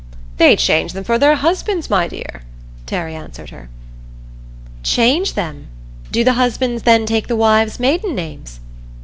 "They change them for their husbands', my dear," Terry answered her. "Change them? Do the husbands then take the wives' 'maiden names'?"